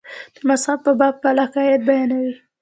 د مذهب په باب خپل عقاید بیانوي.